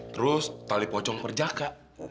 terus tali pocong perjaka